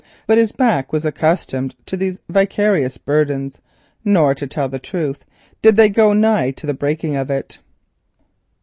But his back was accustomed to those vicarious burdens, nor to tell the truth did they go nigh to the breaking of it.